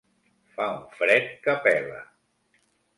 Fa un fred que pela.